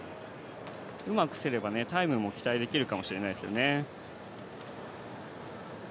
うまくすればタイムも期待できるかもしれないですよね。